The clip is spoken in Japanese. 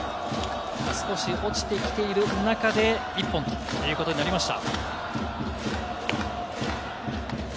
少し落ちてきている中で１本ということになりました。